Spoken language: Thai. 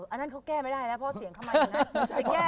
อันนั้นเขาแก้ไม่ได้แล้วเพราะเสียงเข้ามาอย่างนั้น